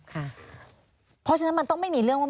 เพราะฉะนั้นมันต้องไม่มีเรื่องว่า